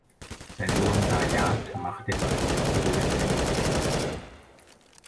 Sein Volontariat machte er beim Donaukurier in Ingolstadt.